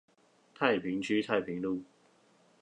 太平區太平路